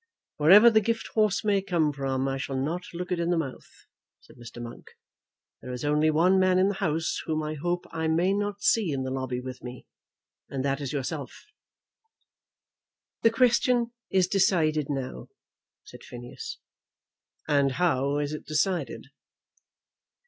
"Wherever the gift horse may come from, I shall not look it in the mouth," said Mr. Monk. "There is only one man in the House whom I hope I may not see in the lobby with me, and that is yourself." "The question is decided now," said Phineas. "And how is it decided?"